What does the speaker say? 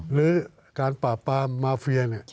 หรือการปราบปรามมาเฟีย